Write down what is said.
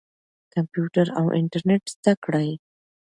کمپیوټر او انټرنیټ زده کړئ.